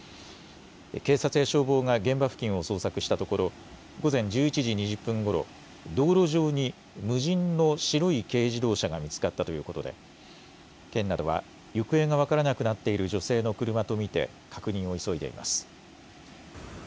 警察や消防が現場付近を捜索したところ、午前１１時２０分ごろ、道路上に無人の白い軽自動車が見つかったということで、県などは行方が分からなくなっている女性の車と見て、確認を急いでいます。